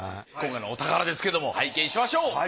今回のお宝ですけれども拝見しましょう。